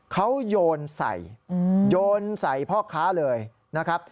เขาโยนใส่โยนใส่พ่อค้าเลยนะครับ